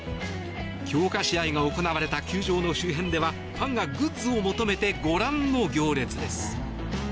強化試合が行われた球場の周辺ではファンがグッズを求めてご覧の行列です。